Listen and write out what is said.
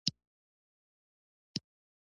• د ورځې روڼ آسمان د نوې خوښۍ زیری ورکوي.